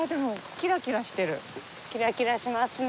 キラキラしますね。